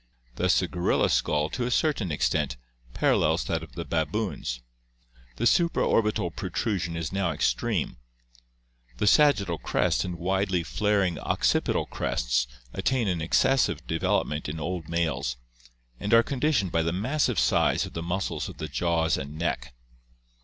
Thus the gorilla skull, to a certain extent, parallels that of the baboons. The supraorbital protrusion is now extreme. The ... sagittal crest and widely flar ing occipital crests attain an excessive development in old males, and are conditioned by the massive size of the muscles of the jaws and neck.